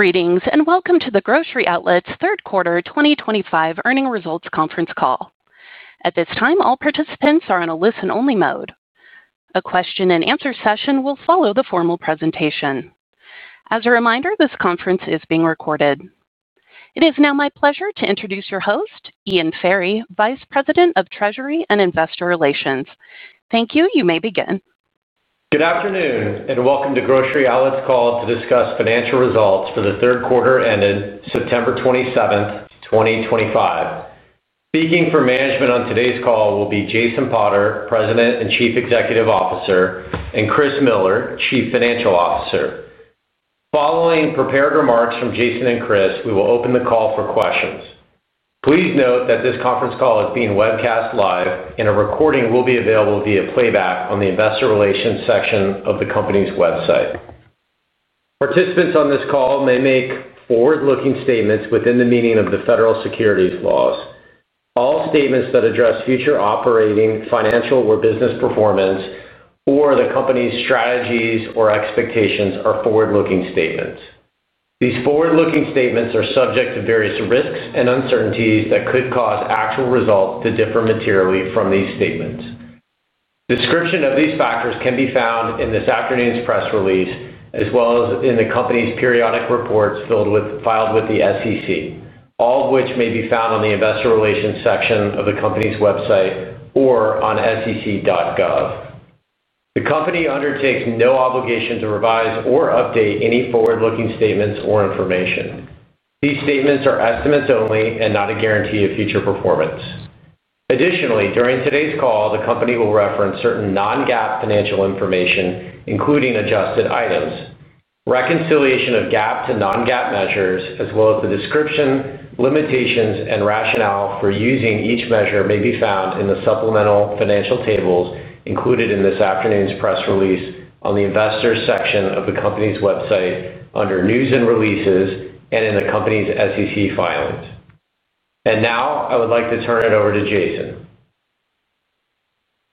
Greetings and welcome to the Grocery Outlet's Third Quarter 2025 Earnings Results Conference Call. At this time, all participants are in a Listen-Only Mode. Q&A session will follow the formal presentation. As a reminder, this conference is being recorded. It is now my pleasure to introduce your host, Ian Ferry, Vice President of Treasury and Investor Relations. Thank you. You may begin. Good afternoon and welcome to Grocery Outlet's Call to discuss financial results for the third quarter ended September 27th, 2025. Speaking for management on today's call will be Jason Potter, President and Chief Executive Officer, and Chris Miller, Chief Financial Officer. Following prepared remarks from Jason and Chris, we will open the call for questions. Please note that this conference call is being webcast live, and a recording will be available via playback on the Investor Relations section of the company's website. Participants on this call may make forward-looking statements within the meaning of the federal securities laws. All statements that address future operating, financial, or business performance, or the company's strategies or expectations are forward-looking statements. These forward-looking statements are subject to various risks and uncertainties that could cause actual results to differ materially from these statements. Description of these factors can be found in this afternoon's press release as well as in the company's periodic reports filed with the SEC, all of which may be found on the Investor Relations section of the company's website or on sec.gov. The company undertakes no obligation to revise or update any forward-looking statements or information. These statements are estimates only and not a guarantee of future performance. Additionally, during today's call, the company will reference certain non-GAAP financial information, including adjusted items, reconciliation of GAAP to non-GAAP measures, as well as the description, limitations, and rationale for using each measure, may be found in the supplemental financial tables included in this afternoon's press release on the Investor Relations section of the company's website under News and Releases and in the company's SEC filings. Now I would like to turn it over to Jason.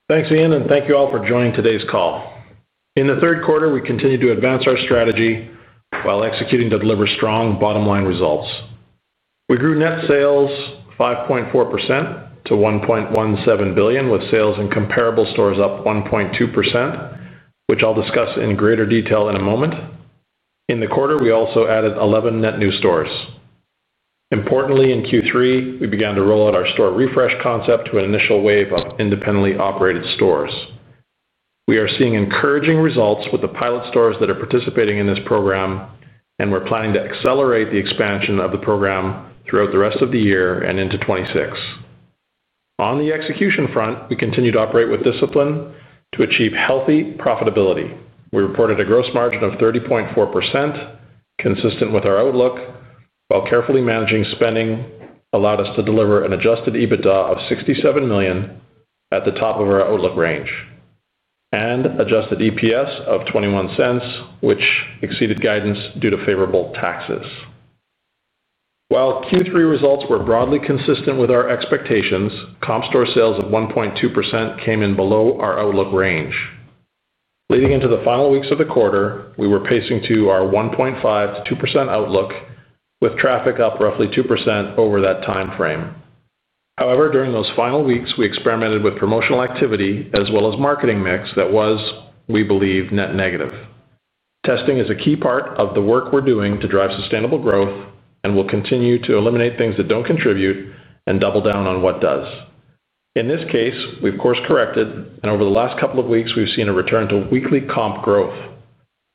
Thanks, Ian, and thank you all for joining today's call. In the third quarter, we continue to advance our strategy while executing to deliver strong bottom-line results. We grew net sales 5.4% to $1.17 billion, with sales in comparable stores up 1.2%, which I'll discuss in greater detail in a moment. In the quarter, we also added 11 net new stores. Importantly, in Q3, we began to roll out our store refresh concept to an initial wave of independently operated stores. We are seeing encouraging results with the pilot stores that are participating in this program, and we're planning to accelerate the expansion of the program throughout the rest of the year and into 2026. On the execution front, we continue to operate with discipline to achieve healthy profitability. We reported a gross margin of 30.4%. Consistent with our outlook, while carefully managing spending allowed us to deliver an adjusted EBITDA of $67 million at the top of our outlook range and adjusted EPS of $0.21, which exceeded guidance due to favorable taxes. While Q3 results were broadly consistent with our expectations, comp store sales of 1.2% came in below our outlook range. Leading into the final weeks of the quarter, we were pacing to our 1.5%-2% outlook, with traffic up roughly 2% over that time frame. However, during those final weeks, we experimented with promotional activity as well as marketing mix that was, we believe, net negative. Testing is a key part of the work we're doing to drive sustainable growth and will continue to eliminate things that don't contribute and double down on what does. In this case, we've course corrected, and over the last couple of weeks, we've seen a return to weekly comp growth.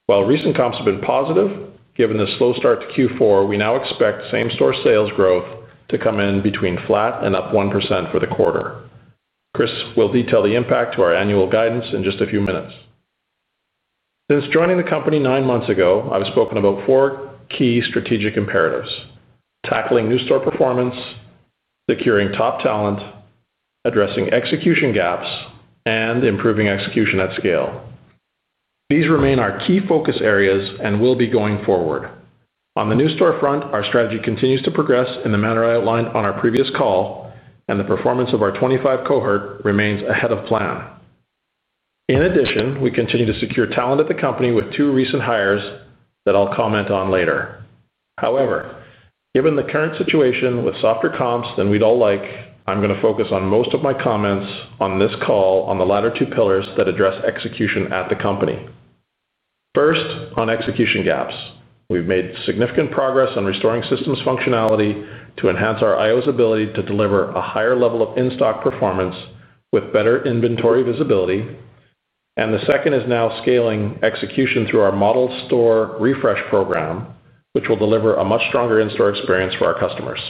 While recent comps have been positive, given the slow start to Q4, we now expect same-store sales growth to come in between flat and up 1% for the quarter. Chris will detail the impact to our annual guidance in just a few minutes. Since joining the company nine months ago, I've spoken about four key strategic imperatives: tackling new store performance, securing top talent, addressing execution gaps, and improving execution at scale. These remain our key focus areas and will be going forward. On the new store front, our strategy continues to progress in the manner I outlined on our previous call, and the performance of our 2025 cohort remains ahead of plan. In addition, we continue to secure talent at the company with two recent hires that I'll comment on later. However, given the current situation with softer comps than we'd all like, I'm going to focus on most of my comments on this call on the latter two pillars that address execution at the company. First, on execution gaps. We've made significant progress on restoring systems functionality to enhance our IO's ability to deliver a higher level of in-stock performance with better inventory visibility. The second is now scaling execution through our model store refresh program, which will deliver a much stronger in-store experience for our customers.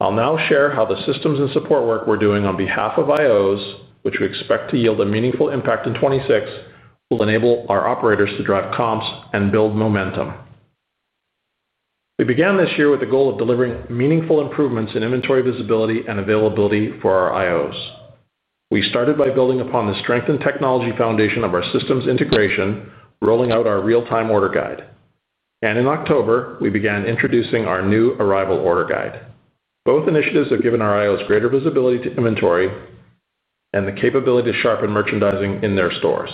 I'll now share how the systems and support work we're doing on behalf of IOs, which we expect to yield a meaningful impact in 2026, will enable our operators to drive comps and build momentum. We began this year with the goal of delivering meaningful improvements in inventory visibility and availability for our IOs. We started by building upon the strengthened technology foundation of our systems integration, rolling out our real-time order guide. And in October, we began introducing our new arrival order guide. Both initiatives have given our IOs greater visibility to inventory. And the capability to sharpen merchandising in their stores.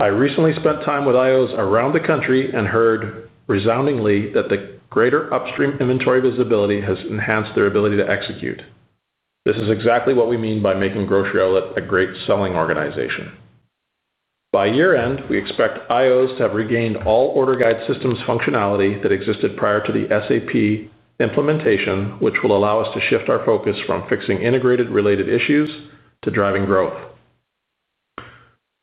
I recently spent time with IOs around the country and heard resoundingly that the greater upstream inventory visibility has enhanced their ability to execute. This is exactly what we mean by making Grocery Outlet a great selling organization. By year-end, we expect IOs to have regained all order guide systems functionality that existed prior to the SAP implementation, which will allow us to shift our focus from fixing integrated-related issues to driving growth.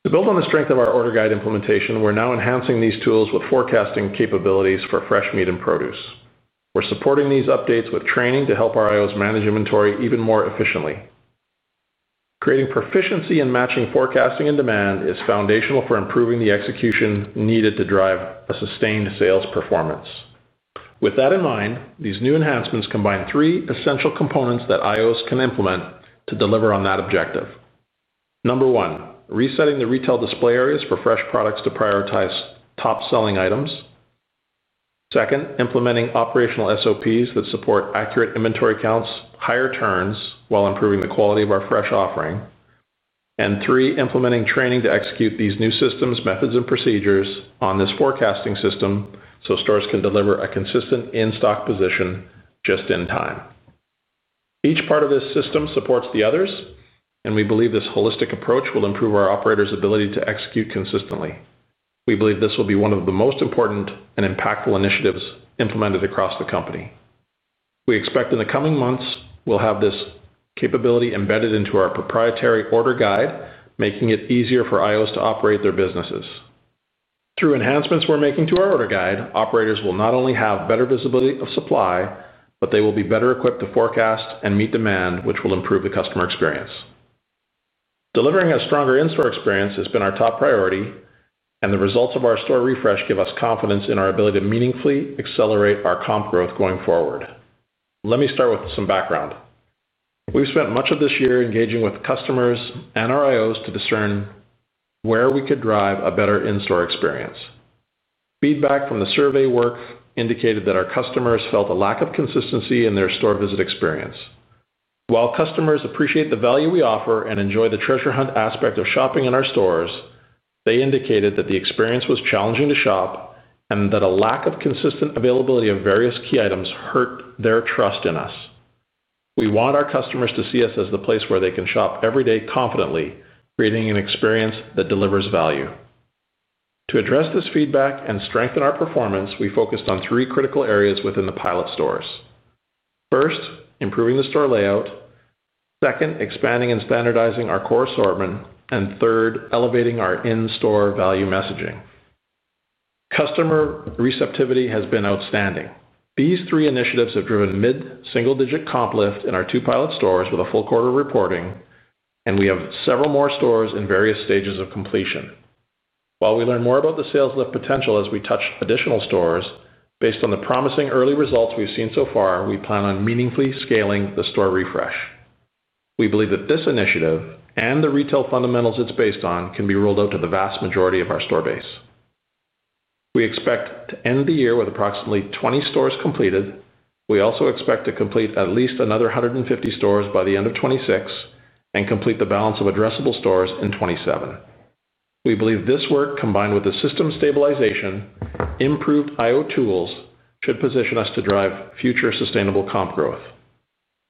To build on the strength of our order guide implementation, we're now enhancing these tools with forecasting capabilities for fresh meat and produce. We're supporting these updates with training to help our IOs manage inventory even more efficiently. Creating proficiency in matching forecasting and demand is foundational for improving the execution needed to drive a sustained sales performance. With that in mind, these new enhancements combine three essential components that IOs can implement to deliver on that objective. Number one, resetting the retail display areas for fresh products to prioritize top-selling items. Second, implementing operational SOPs that support accurate inventory counts, higher turns, while improving the quality of our fresh offering. And three, implementing training to execute these new systems, methods, and procedures on this forecasting system so stores can deliver a consistent in-stock position just in time. Each part of this system supports the others, and we believe this holistic approach will improve our operators' ability to execute consistently. We believe this will be one of the most important and impactful initiatives implemented across the company. We expect in the coming months, we'll have this capability embedded into our proprietary order guide, making it easier for IOs to operate their businesses. Through enhancements we're making to our order guide, operators will not only have better visibility of supply, but they will be better equipped to forecast and meet demand, which will improve the customer experience. Delivering a stronger in-store experience has been our top priority, and the results of our store refresh give us confidence in our ability to meaningfully accelerate our comp growth going forward. Let me start with some background. We've spent much of this year engaging with customers and our IOs to discern where we could drive a better in-store experience. Feedback from the survey work indicated that our customers felt a lack of consistency in their store visit experience. While customers appreciate the value we offer and enjoy the treasure hunt aspect of shopping in our stores, they indicated that the experience was challenging to shop and that a lack of consistent availability of various key items hurt their trust in us. We want our customers to see us as the place where they can shop every day confidently, creating an experience that delivers value. To address this feedback and strengthen our performance, we focused on three critical areas within the pilot stores. First, improving the store layout. Second, expanding and standardizing our core assortment, and third, elevating our in-store value messaging. Customer receptivity has been outstanding. These three initiatives have driven mid-single-digit comp lift in our two pilot stores with a full quarter reporting, and we have several more stores in various stages of completion. While we learn more about the sales lift potential as we touch additional stores, based on the promising early results we've seen so far, we plan on meaningfully scaling the store refresh. We believe that this initiative and the retail fundamentals it's based on can be rolled out to the vast majority of our store base. We expect to end the year with approximately 20 stores completed. We also expect to complete at least another 150 stores by the end of 2026 and complete the balance of addressable stores in 2027. We believe this work, combined with the system stabilization, improved IO tools, should position us to drive future sustainable comp growth.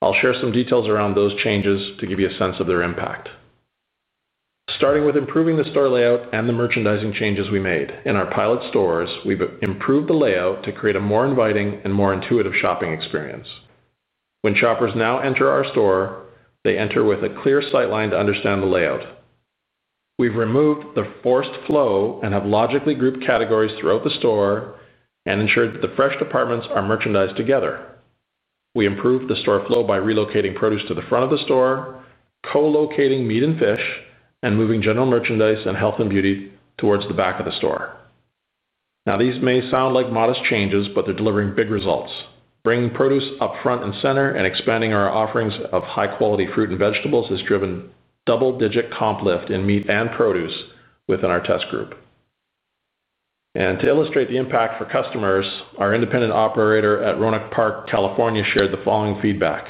I'll share some details around those changes to give you a sense of their impact. Starting with improving the store layout and the merchandising changes we made. In our pilot stores, we've improved the layout to create a more inviting and more intuitive shopping experience. When shoppers now enter our store, they enter with a clear sightline to understand the layout. We've removed the forced flow and have logically grouped categories throughout the store and ensured that the fresh departments are merchandised together. We improved the store flow by relocating produce to the front of the store, co-locating meat and fish, and moving general merchandise and health and beauty towards the back of the store. Now, these may sound like modest changes, but they're delivering big results. Bringing produce up front and center and expanding our offerings of high-quality fruit and vegetables has driven double-digit comp lift in meat and produce within our test group. And to illustrate the impact for customers, our independent operator at Roanoke Park, California, shared the following feedback.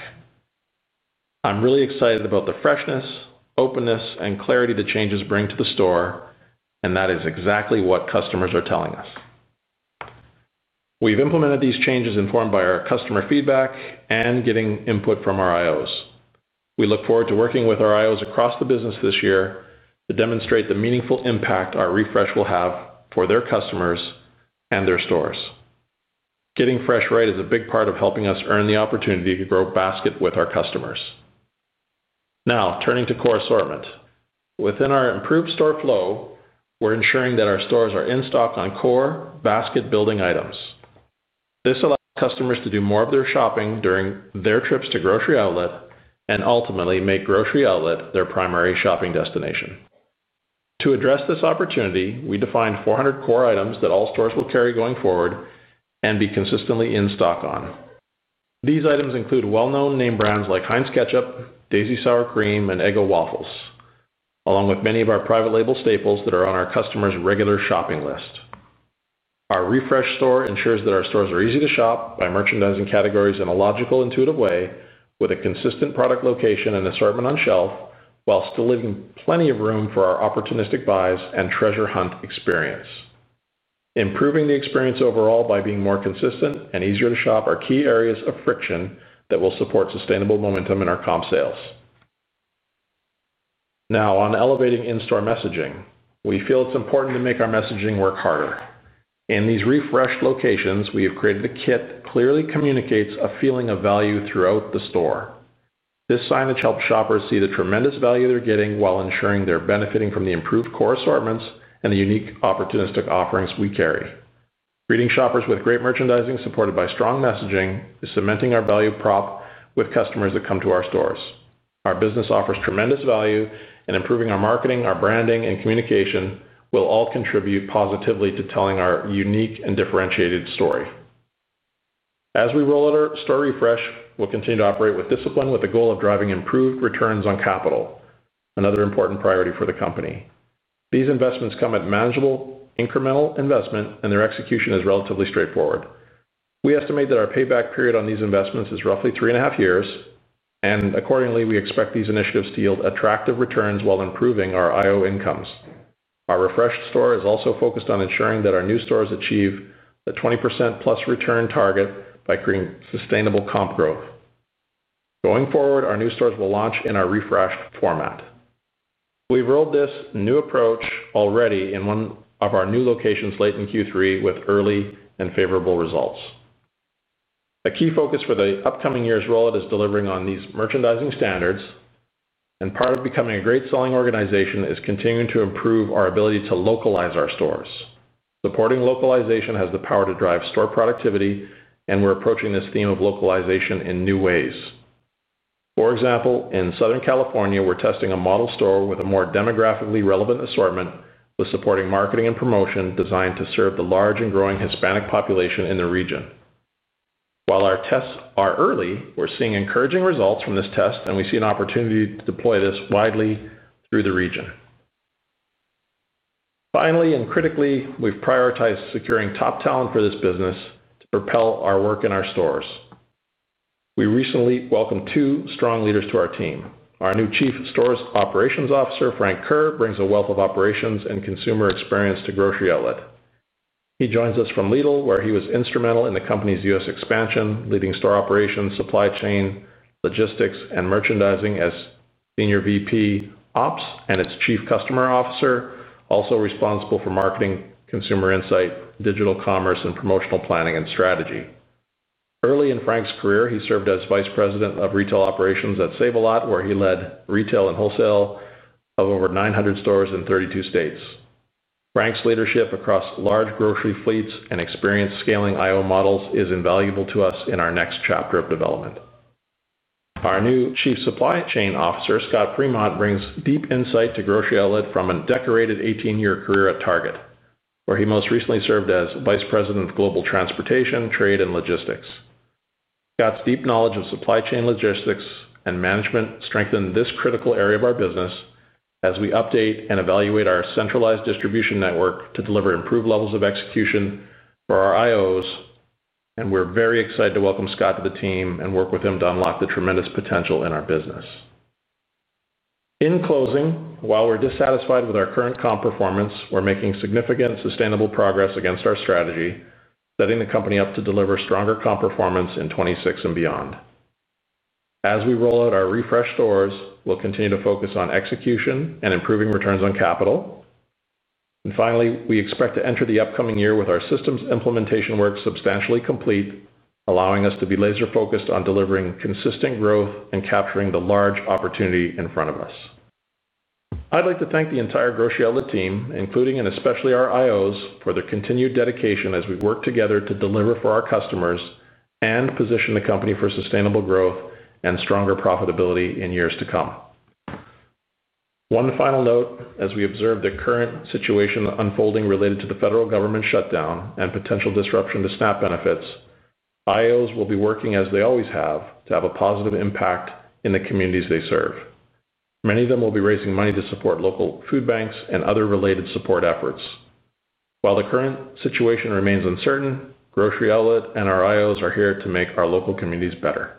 "I'm really excited about the freshness, openness, and clarity the changes bring to the store, and that is exactly what customers are telling us." We've implemented these changes informed by our customer feedback and getting input from our IOs. We look forward to working with our IOs across the business this year to demonstrate the meaningful impact our refresh will have for their customers and their stores. Getting fresh right is a big part of helping us earn the opportunity to grow basket with our customers. Now, turning to core assortment. Within our improved store flow, we're ensuring that our stores are in stock on core basket-building items. This allows customers to do more of their shopping during their trips to Grocery Outlet and ultimately make Grocery Outlet their primary shopping destination. To address this opportunity, we defined 400 core items that all stores will carry going forward and be consistently in stock on. These items include well-known name brands like Heinz ketchup, Daisy Sour Cream, and Eggo waffles, along with many of our private label staples that are on our customers' regular shopping list. Our refresh store ensures that our stores are easy to shop by merchandising categories in a logical, intuitive way, with a consistent product location and assortment on shelf while still leaving plenty of room for our opportunistic buys and treasure hunt experience. Improving the experience overall by being more consistent and easier to shop are key areas of friction that will support sustainable momentum in our comp sales. Now, on elevating in-store messaging, we feel it's important to make our messaging work harder. In these refreshed locations, we have created a kit that clearly communicates a feeling of value throughout the store. This signage helps shoppers see the tremendous value they're getting while ensuring they're benefiting from the improved core assortments and the unique opportunistic offerings we carry. Greeting shoppers with great merchandising supported by strong messaging is cementing our value prop with customers that come to our stores. Our business offers tremendous value, and improving our marketing, our branding, and communication will all contribute positively to telling our unique and differentiated story. As we roll out our store refresh, we'll continue to operate with discipline with the goal of driving improved returns on capital, another important priority for the company. These investments come at manageable, incremental investment, and their execution is relatively straightforward. We estimate that our payback period on these investments is roughly three and a half years, and accordingly, we expect these initiatives to yield attractive returns while improving our IO incomes. Our refreshed store is also focused on ensuring that our new stores achieve the 20%-plus return target by creating sustainable comp growth. Going forward, our new stores will launch in our refreshed format. We've rolled this new approach already in one of our new locations late in Q3 with early and favorable results. A key focus for the upcoming year's rollout is delivering on these merchandising standards, and part of becoming a great selling organization is continuing to improve our ability to localize our stores. Supporting localization has the power to drive store productivity, and we're approaching this theme of localization in new ways. For example, in Southern California, we're testing a model store with a more demographically relevant assortment with supporting marketing and promotion designed to serve the large and growing Hispanic population in the region. While our tests are early, we're seeing encouraging results from this test, and we see an opportunity to deploy this widely through the region. Finally, and critically, we've prioritized securing top talent for this business to propel our work in our stores. We recently welcomed two strong leaders to our team. Our new Chief Stores Operations Officer, Frank Kerr, brings a wealth of operations and consumer experience to Grocery Outlet. He joins us from Lidl, where he was instrumental in the company's US expansion, leading store operations, supply chain, logistics, and merchandising as senior VP ops and its Chief Customer Officer, also responsible for marketing, consumer insight, digital commerce, and promotional planning and strategy. Early in Frank's career, he served as vice president of retail operations at Save A Lot, where he led retail and wholesale of over 900 stores in 32 states. Frank's leadership across large grocery fleets and experience scaling IO models is invaluable to us in our next chapter of development. Our new Chief Supply Chain Officer, Scott Premont, brings deep insight to Grocery Outlet from a decorated 18-year career at Target, where he most recently served as vice president of global transportation, trade, and logistics. Scott's deep knowledge of supply chain logistics and management strengthened this critical area of our business as we update and evaluate our centralized distribution network to deliver improved levels of execution for our IOs, and we're very excited to welcome Scott to the team and work with him to unlock the tremendous potential in our business. In closing, while we're dissatisfied with our current comp performance, we're making significant sustainable progress against our strategy, setting the company up to deliver stronger comp performance in 2026 and beyond. As we roll out our refreshed stores, we'll continue to focus on execution and improving returns on capital. And finally, we expect to enter the upcoming year with our systems implementation work substantially complete, allowing us to be laser-focused on delivering consistent growth and capturing the large opportunity in front of us. I'd like to thank the entire Grocery Outlet team, including and especially our IOs, for their continued dedication as we work together to deliver for our customers and position the company for sustainable growth and stronger profitability in years to come. One final note, as we observe the current situation unfolding related to the federal government shutdown and potential disruption to SNAP benefits, IOs will be working as they always have to have a positive impact in the communities they serve. Many of them will be raising money to support local food banks and other related support efforts. While the current situation remains uncertain, Grocery Outlet and our IOs are here to make our local communities better.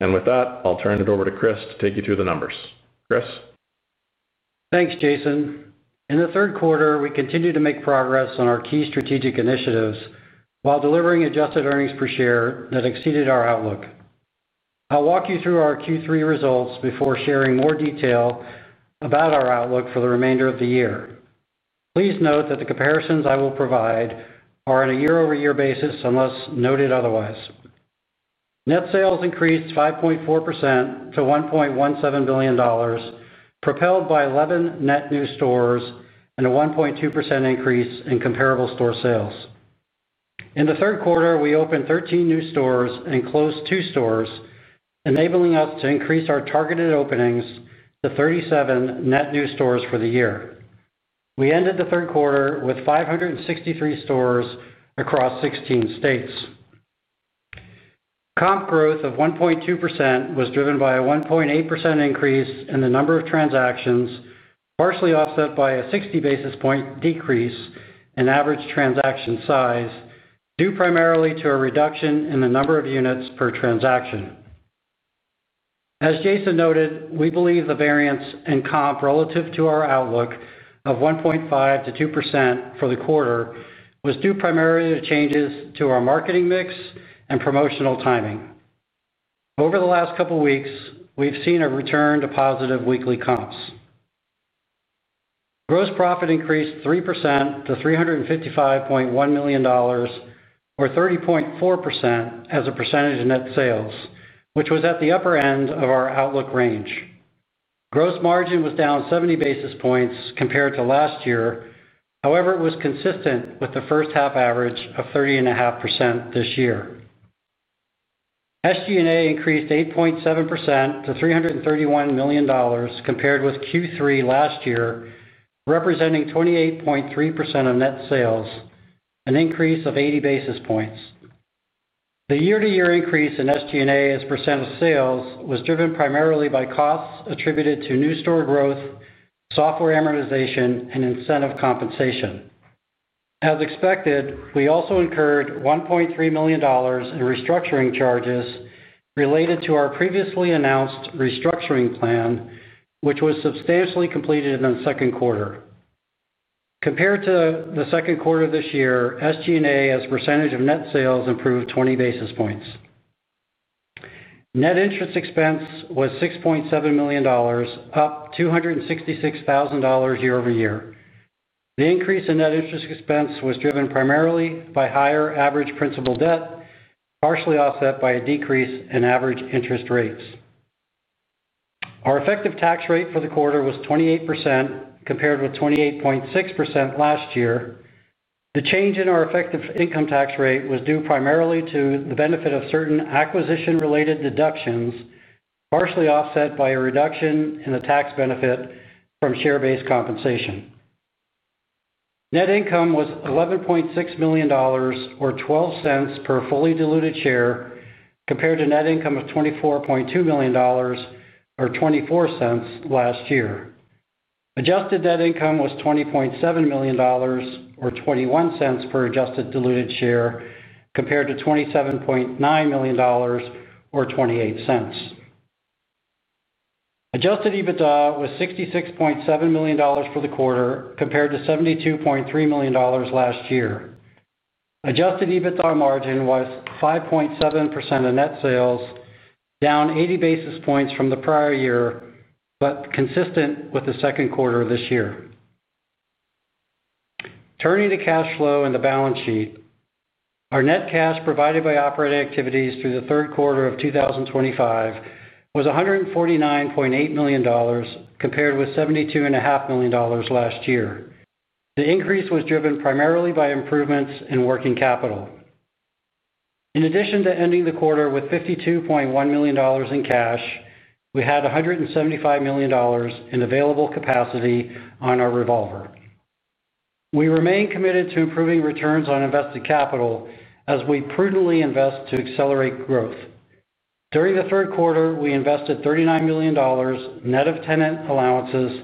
And with that, I'll turn it over to Chris to take you through the numbers. Chris. Thanks, Jason. In the third quarter, we continue to make progress on our key strategic initiatives while delivering adjusted earnings per share that exceeded our outlook. I'll walk you through our Q3 results before sharing more detail about our outlook for the remainder of the year. Please note that the comparisons I will provide are on a year-over-year basis unless noted otherwise. Net sales increased 5.4% to $1.17 billion. Propelled by 11 net new stores and a 1.2% increase in comparable store sales. In the third quarter, we opened 13 new stores and closed two stores, enabling us to increase our targeted openings to 37 net new stores for the year. We ended the third quarter with 563 stores across 16 states. Comp growth of 1.2% was driven by a 1.8% increase in the number of transactions, partially offset by a 60 basis points decrease in average transaction size, due primarily to a reduction in the number of units per transaction. As Jason noted, we believe the variance in comp relative to our outlook of 1.5%-2% for the quarter was due primarily to changes to our marketing mix and promotional timing. Over the last couple of weeks, we've seen a return to positive weekly comps. Gross profit increased 3% to $355.1 million, or 30.4% as a percentage of net sales, which was at the upper end of our outlook range. Gross margin was down 70 basis points compared to last year. However, it was consistent with the first-half average of 30.5% this year. SG&A increased 8.7% to $331 million compared with Q3 last year, representing 28.3% of net sales, an increase of 80 basis points. The year-to-year increase in SG&A's percent of sales was driven primarily by costs attributed to new store growth, software amortization, and incentive compensation. As expected, we also incurred $1.3 million in restructuring charges related to our previously announced restructuring plan, which was substantially completed in the second quarter. Compared to the second quarter of this year, SG&A's percentage of net sales improved 20 basis points. Net interest expense was $6.7 million, up $266,000 year-over-year. The increase in net interest expense was driven primarily by higher average principal debt, partially offset by a decrease in average interest rates. Our effective tax rate for the quarter was 28% compared with 28.6% last year. The change in our effective income tax rate was due primarily to the benefit of certain acquisition-related deductions, partially offset by a reduction in the tax benefit from share-based compensation. Net income was $11.6 million, or $0.12 per fully diluted share, compared to net income of $24.2 million, or $0.24 last year. Adjusted net income was $20.7 million, or $0.21 per adjusted diluted share, compared to $27.9 million, or $0.28. Adjusted EBITDA was $66.7 million for the quarter, compared to $72.3 million last year. Adjusted EBITDA margin was 5.7% of net sales, down 80 basis points from the prior year, but consistent with the second quarter of this year. Turning to cash flow and the balance sheet, our net cash provided by operating activities through the third quarter of 2025 was $149.8 million, compared with $72.5 million last year. The increase was driven primarily by improvements in working capital. In addition to ending the quarter with $52.1 million in cash, we had $175 million in available capacity on our revolver. We remain committed to improving returns on invested capital as we prudently invest to accelerate growth. During the third quarter, we invested $39 million net of tenant allowances,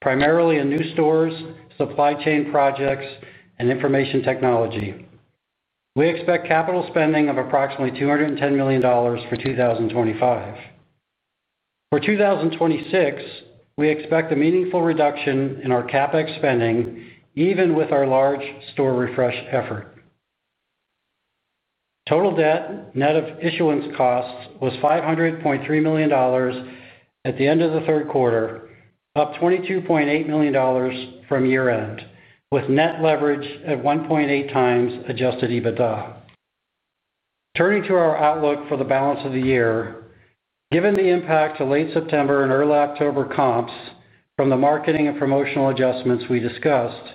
primarily in new stores, supply chain projects, and information technology. We expect capital spending of approximately $210 million for 2025. For 2026, we expect a meaningful reduction in our CapEx spending, even with our large store refresh effort. Total debt net of issuance costs was $500.3 million at the end of the third quarter, up $22.8 million from year-end, with net leverage at 1.8 times adjusted EBITDA. Turning to our outlook for the balance of the year, given the impact of late September and early October comps from the marketing and promotional adjustments we discussed,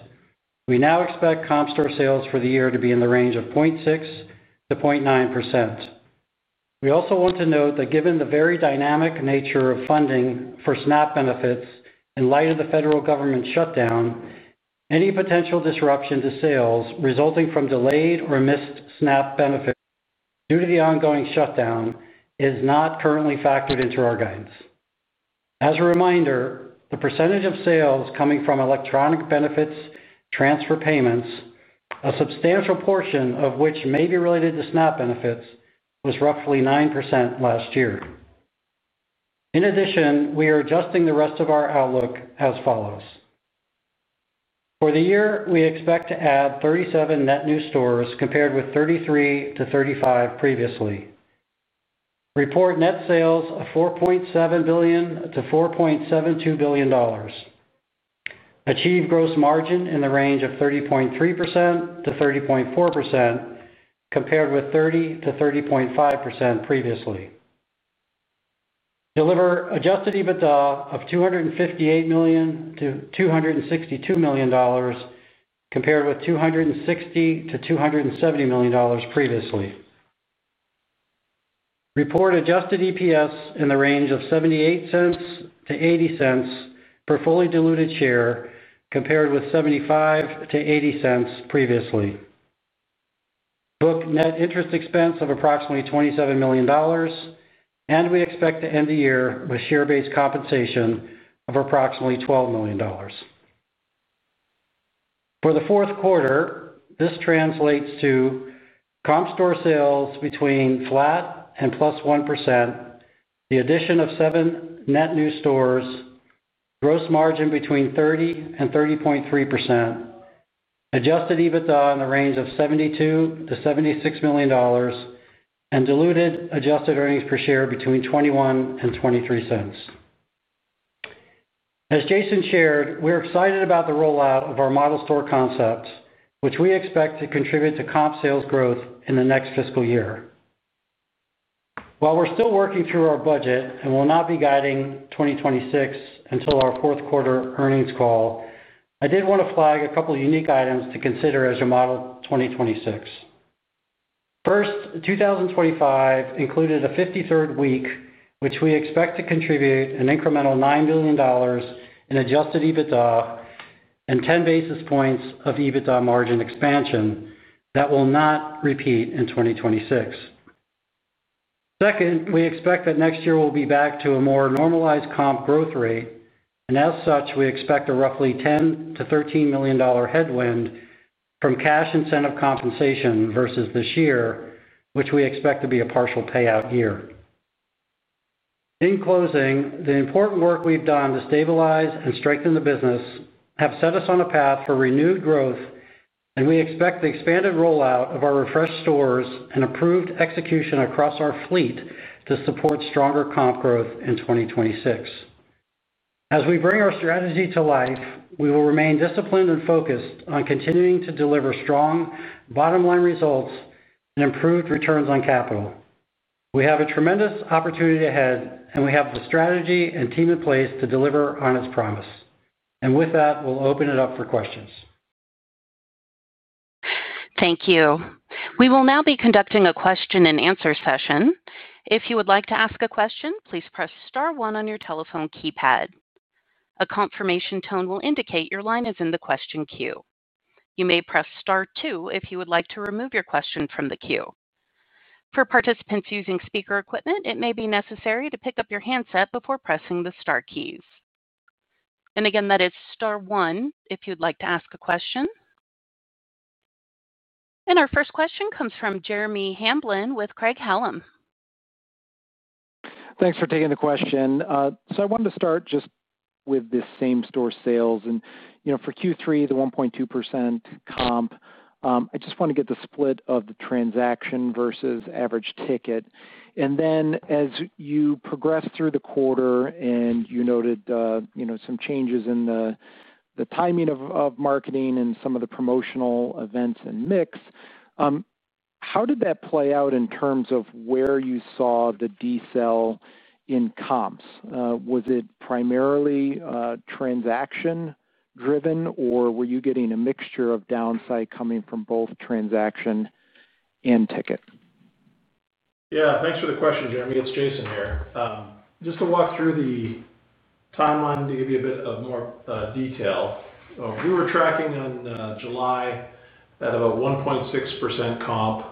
we now expect comp store sales for the year to be in the range of 0.6%-0.9%. We also want to note that given the very dynamic nature of funding for SNAP benefits in light of the federal government shutdown. Any potential disruption to sales resulting from delayed or missed SNAP benefits due to the ongoing shutdown is not currently factored into our guidance. As a reminder, the percentage of sales coming from electronic benefits transfer payments, a substantial portion of which may be related to SNAP benefits, was roughly 9% last year. In addition, we are adjusting the rest of our outlook as follows. For the year, we expect to add 37 net new stores compared with 33-35 previously. Report net sales of $4.7 billion-$4.72 billion. Achieve gross margin in the range of 30.3%-30.4%, compared with 30%-30.5% previously. Deliver adjusted EBITDA of $258-$262 million, compared with $260-$270 million previously. Report adjusted EPS in the range of $0.78-$0.80 per fully diluted share, compared with $0.75-$0.80 previously. Book net interest expense of approximately $27 million. And we expect to end the year with share-based compensation of approximately $12 million. For the fourth quarter, this translates to comp store sales between flat and +1%. The addition of seven net new stores, gross margin between 30% and 30.3%. Adjusted EBITDA in the range of $72-$76 million. And diluted adjusted earnings per share between $0.21 and $0.23. As Jason shared, we're excited about the rollout of our model store concept, which we expect to contribute to comp sales growth in the next fiscal year. While we're still working through our budget and will not be guiding 2026 until our fourth quarter earnings call, I did want to flag a couple of unique items to consider as you model 2026. First, 2025 included a 53rd week, which we expect to contribute an incremental $9 million in Adjusted EBITDA and 10 basis points of EBITDA margin expansion that will not repeat in 2026. Second, we expect that next year we'll be back to a more normalized comp growth rate, and as such, we expect a roughly $10 to $13 million headwind from cash incentive compensation versus this year, which we expect to be a partial payout year. In closing, the important work we've done to stabilize and strengthen the business has set us on a path for renewed growth, and we expect the expanded rollout of our refreshed stores and approved execution across our fleet to support stronger comp growth in 2026. As we bring our strategy to life, we will remain disciplined and focused on continuing to deliver strong bottom-line results and improved returns on capital. We have a tremendous opportunity ahead, and we have the strategy and team in place to deliver on its promise. With that, we'll open it up for questions. Thank you. We will now be conducting a Q&A session. If you would like to ask a question, please press Star 1 on your telephone keypad. A confirmation tone will indicate your line is in the question queue. You may press Star 2 if you would like to remove your question from the queue. For participants using speaker equipment, it may be necessary to pick up your handset before pressing the Star keys. Again, that is Star 1 if you'd like to ask a question. Our first question comes from Jeremy Hamblin with Craig-Hallum Capital Group. Thanks for taking the question. So I wanted to start just with this same store sales. For Q3, the 1.2% comp, I just want to get the split of the transaction versus average ticket. Then as you progressed through the quarter and you noted some changes in the timing of marketing and some of the promotional events and mix. How did that play out in terms of where you saw the delta in comps? Was it primarily transaction-driven, or were you getting a mixture of downside coming from both transaction and ticket? Yeah. Thanks for the question, Jeremy. It's Jason here. Just to walk through the timeline to give you a bit more detail. We were tracking in July at about 1.6% comp,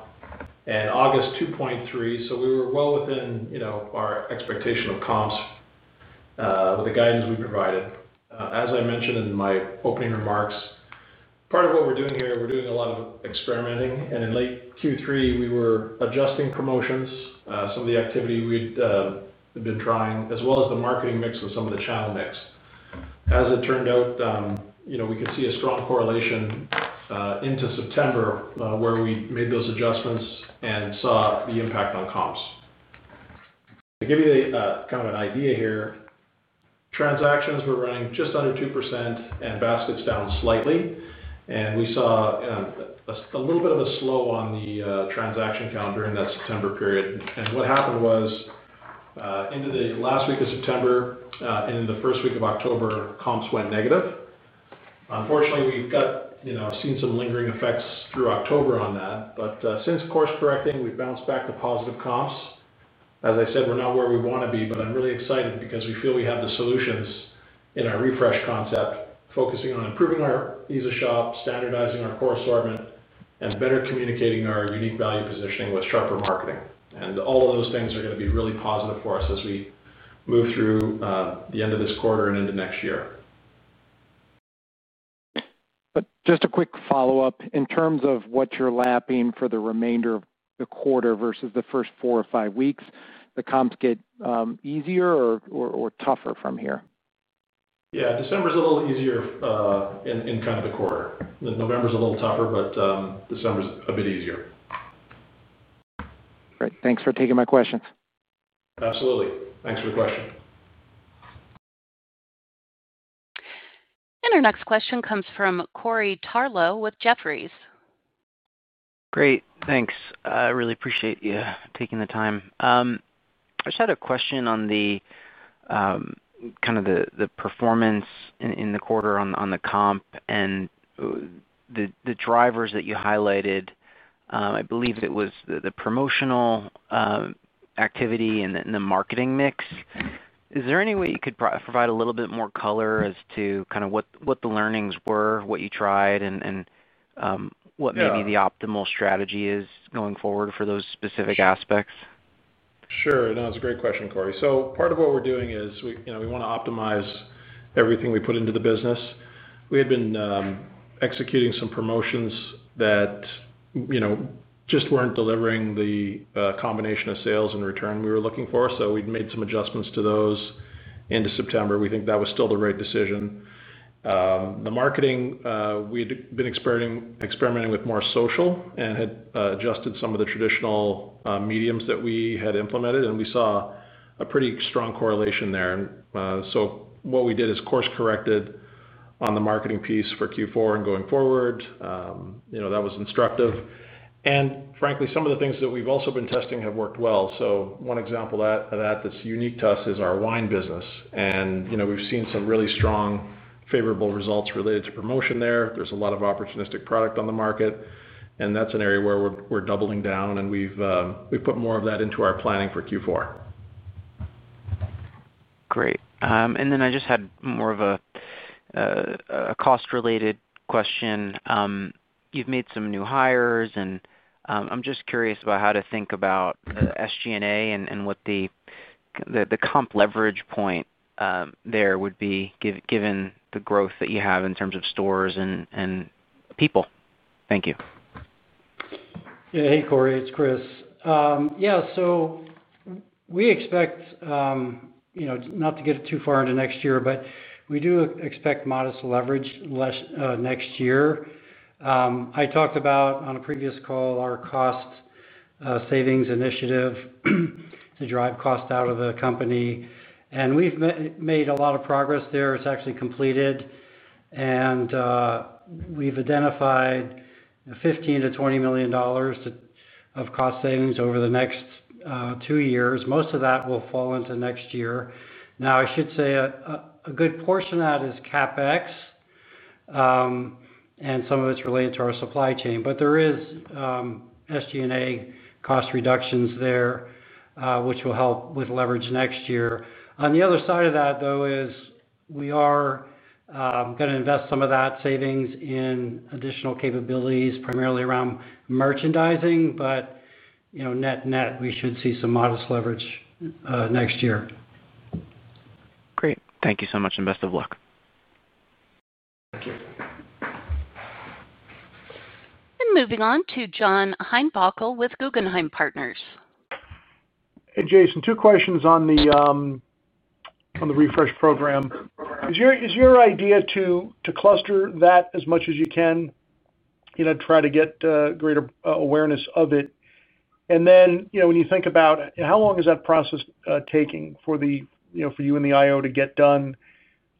and August 2.3%. So we were well within our expectation of comps with the guidance we provided. As I mentioned in my opening remarks, part of what we're doing here, we're doing a lot of experimenting. In late Q3, we were adjusting promotions, some of the activity we had been trying, as well as the marketing mix with some of the channel mix. As it turned out, we could see a strong correlation into September where we made those adjustments and saw the impact on comps. To give you kind of an idea here, transactions were running just under 2% and baskets down slightly. And we saw a little bit of a slowdown on the transaction count during that September period. And what happened was, into the last week of September and in the first week of October, comps went negative. Unfortunately, we've seen some lingering effects through October on that, but since course correcting, we've bounced back to positive comps. As I said, we're not where we want to be, but I'm really excited because we feel we have the solutions in our refresh concept, focusing on improving our Visa shop, standardizing our core assortment, and better communicating our unique value positioning with sharper marketing. All of those things are going to be really positive for us as we move through the end of this quarter and into next year. Just a quick follow-up. In terms of what you're lapping for the remainder of the quarter versus the first four or five weeks, the comps get easier or tougher from here? Yeah. December is a little easier in kind of the quarter. November is a little tougher, but December is a bit easier. Great. Thanks for taking my questions. Absolutely. Thanks for the question. And our next question comes from Corey Tarlowe with Jefferies. Great. Thanks. I really appreciate you taking the time. I just had a question on kind of the performance in the quarter on the comp and the drivers that you highlighted. I believe it was the promotional activity and the marketing mix. Is there any way you could provide a little bit more color as to kind of what the learnings were, what you tried, and what may be the optimal strategy is going forward for those specific aspects? Sure. No, it's a great question, Corey. So part of what we're doing is we want to optimize everything we put into the business. We had been executing some promotions that just weren't delivering the combination of sales and return we were looking for. So we'd made some adjustments to those into September. We think that was still the right decision. The marketing, we had been experimenting with more social and had adjusted some of the traditional media that we had implemented. And we saw a pretty strong correlation there. And so what we did is course corrected on the marketing piece for Q4 and going forward. That was instructive. And frankly, some of the things that we've also been testing have worked well. So one example of that that's unique to us is our wine business. And we've seen some really strong favorable results related to promotion there. There's a lot of opportunistic product on the market. And that's an area where we're doubling down, and we've put more of that into our planning for Q4. Great. And then I just had more of a cost-related question. You've made some new hires, and I'm just curious about how to think about SG&A and what the comp leverage point there would be given the growth that you have in terms of stores and people. Thank you. Yeah. Hey, Corey. It's Chris. Yeah. So we expect, not to get it too far into next year, but we do expect modest leverage next year. I talked about on a previous call our cost savings initiative to drive cost out of the company. And we've made a lot of progress there. It's actually completed. And we've identified $15-$20 million of cost savings over the next two years. Most of that will fall into next year. Now, I should say a good portion of that is CapEx. And some of it's related to our supply chain. But there is SG&A cost reductions there, which will help with leverage next year. On the other side of that, though, is we are going to invest some of that savings in additional capabilities, primarily around merchandising. But net net, we should see some modest leverage next year. Great. Thank you so much and best of luck. Thank you. And moving on to John Heinbockel with Guggenheim Securities. Hey, Jason, two questions on the refresh program. Is your idea to cluster that as much as you can, try to get greater awareness of it? And then when you think about how long is that process taking for you and the IO to get done? Is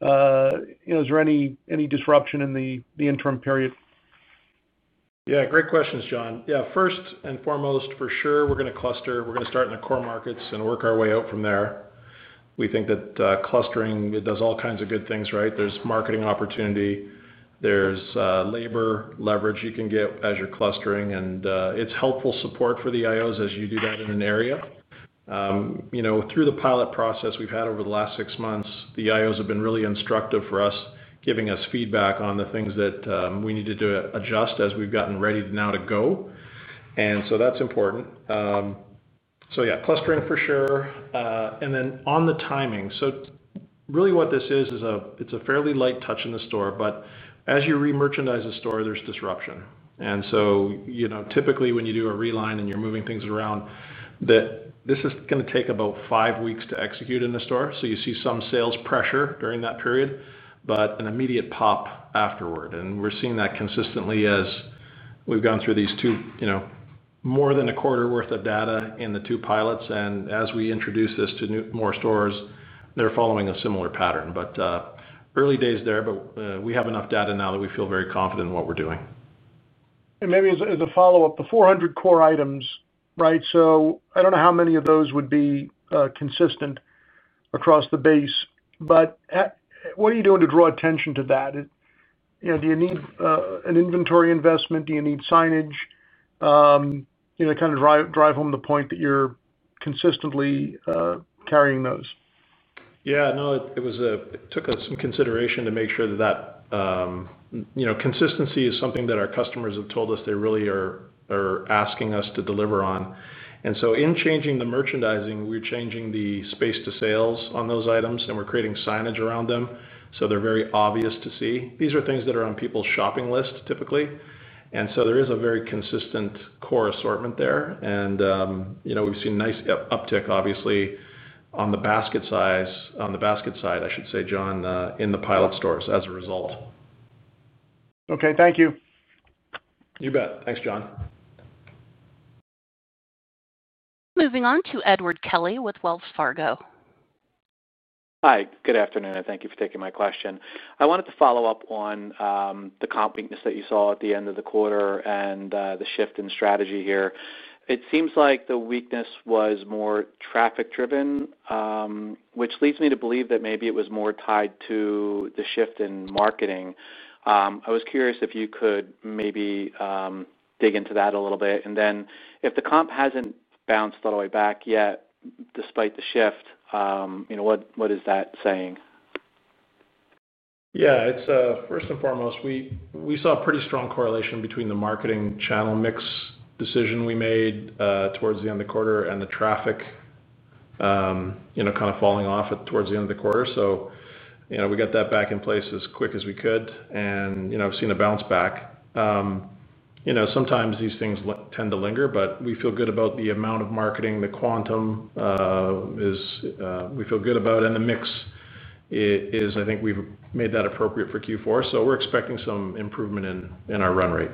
there any disruption in the interim period? Yeah. Great questions, John. Yeah. First and foremost, for sure, we're going to cluster. We're going to start in the core markets and work our way out from there. We think that clustering, it does all kinds of good things, right? There's marketing opportunity. There's labor leverage you can get as you're clustering. And it's helpful support for the IOs as you do that in an area. Through the pilot process we've had over the last six months, the IOs have been really instructive for us, giving us feedback on the things that we need to adjust as we've gotten ready now to go. And so that's important. So yeah, clustering for sure. And then on the timing, so really what this is, it's a fairly light touch in the store. But as you re-merchandise a store, there's disruption. And so typically when you do a reline and you're moving things around. This is going to take about five weeks to execute in the store. So you see some sales pressure during that period, but an immediate pop afterward. And we're seeing that consistently as we've gone through these two more than a quarter worth of data in the two pilots. And as we introduce this to more stores, they're following a similar pattern. But early days there, but we have enough data now that we feel very confident in what we're doing. And maybe as a follow-up, the 400 core items, right? So I don't know how many of those would be consistent across the base. But what are you doing to draw attention to that? Do you need an inventory investment? Do you need signage? Kind of drive home the point that you're consistently carrying those. Yeah. No, it took a consideration to make sure that that consistency is something that our customers have told us they really are asking us to deliver on. And so in changing the merchandising, we're changing the space to sales on those items, and we're creating signage around them. So they're very obvious to see. These are things that are on people's shopping list, typically. And so there is a very consistent core assortment there. And we've seen nice uptick, obviously, on the basket size, on the basket side, I should say, John, in the pilot stores as a result. Okay. Thank you. You bet. Thanks, John. Moving on to Edward Kelly with Wells Fargo. Hi. Good afternoon. And thank you for taking my question. I wanted to follow up on the comp weakness that you saw at the end of the quarter and the shift in strategy here. It seems like the weakness was more traffic-driven. Which leads me to believe that maybe it was more tied to the shift in marketing. I was curious if you could maybe dig into that a little bit. And then if the comp hasn't bounced all the way back yet despite the shift, what is that saying? Yeah. First and foremost, we saw a pretty strong correlation between the marketing channel mix decision we made towards the end of the quarter and the traffic kind of falling off towards the end of the quarter. So we got that back in place as quick as we could. And I've seen a bounce back. Sometimes these things tend to linger, but we feel good about the amount of marketing, the quantum we feel good about. And the mix is, I think we've made that appropriate for Q4. So we're expecting some improvement in our run rate.